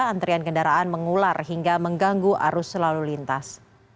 antrian kendaraan mengular hingga mengganggu arus selalu lintas